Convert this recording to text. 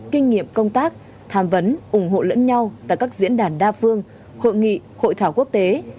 kinh nghiệm công tác tham vấn ủng hộ lẫn nhau tại các diễn đàn đa phương hội nghị hội thảo quốc tế